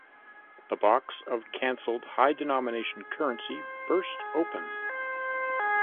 The box of canceled high-denomination currency burst open.